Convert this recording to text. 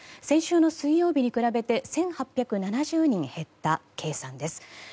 先週の水曜日に比べて１８７０人減った計算です。